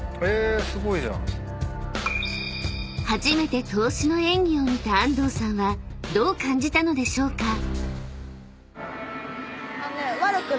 ［初めて通しの演技を見た安藤さんはどう感じたのでしょうか？］